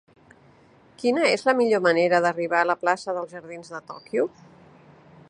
Quina és la millor manera d'arribar a la plaça dels Jardins de Tòquio?